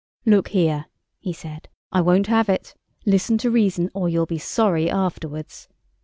"Look here," he said; "I won't have it. Listen to reason—or you'll be sorry afterwards.